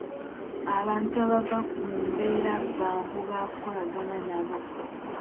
Abantu abava mu mbeera bangu ba kukolagana nabo.